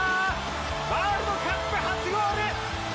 ワールドカップ初ゴール！